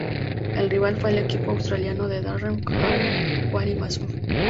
El rival fue el equipo australiano de Darren Cahill y Wally Masur.